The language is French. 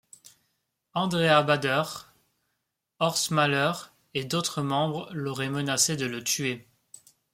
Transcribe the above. Andreas Baader, Horst Mahler et d'autres membres l'auraient menacé de le tuer.